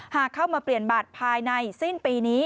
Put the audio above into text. หากเข้ามาเปลี่ยนบัตรภายในสิ้นปีนี้